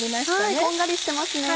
こんがりしてますね。